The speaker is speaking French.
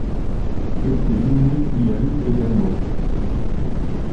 Quelques Inuits y habitent également.